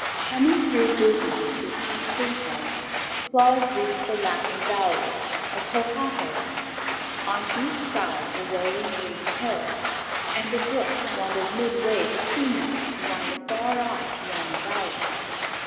Coming through Burzee to its eastern edge Claus reached the Laughing Valley of Hohaho. On each side were rolling green hills, and a brook wandered midway between them to wind afar off beyond the valley.